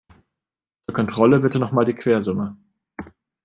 Zur Kontrolle bitte noch mal die Quersumme.